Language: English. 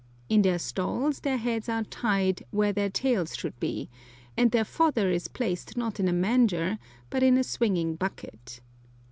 In their stalls their heads are tied "where their tails should be," and their fodder is placed not in a manger, but in a swinging bucket.